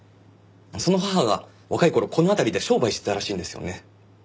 その母が若い頃この辺りで商売してたらしいんですよね。